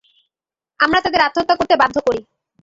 আমরা তাদের আত্মহত্যা করতে বাধ্য করি।